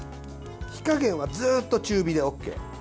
火加減はずっと中火でＯＫ。